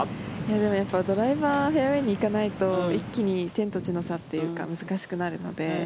でも、ドライバーフェアウェーに行かないと一気に天と地の差というか難しくなるので。